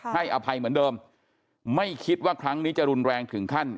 ให้อภัยเหมือนเดิมไม่คิดว่าครั้งนี้จะรุนแรงถึงขั้น